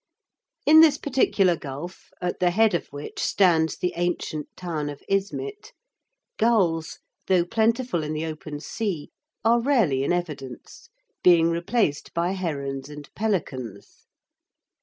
In this particular gulf, at the head of which stands the ancient town of Ismidt, gulls, though plentiful in the open sea, are rarely in evidence, being replaced by herons and pelicans.